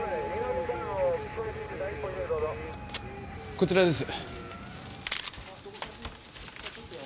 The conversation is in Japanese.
こちらです。